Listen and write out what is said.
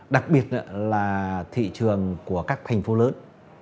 đặc biệt là thị trường của các thành phố lớn